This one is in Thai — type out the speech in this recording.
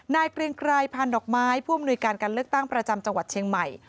เกรียงไกรพันดอกไม้ผู้อำนวยการการเลือกตั้งประจำจังหวัดเชียงใหม่